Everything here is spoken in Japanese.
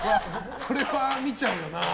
それは、見ちゃうよな。